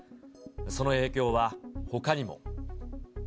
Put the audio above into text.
その影響はほかにも。